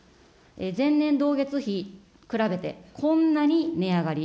前年同月比、比べてこんなに値上がり。